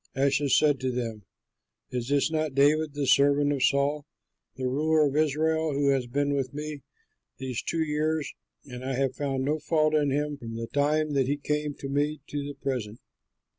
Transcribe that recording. Achish said to them, "Is this not David, the servant of Saul the ruler of Israel, who has been with me these two years, and I have found no fault in him from the time that he came to me to the present?"